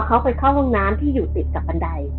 เขาไปเข้าห้องน้ำที่อยู่ติดกับบันได